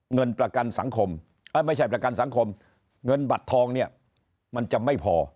เงินประกันสังคมไม่ใช่ประกันสังคมเงินบัตรทองเนี่ยมันจะไม่พอ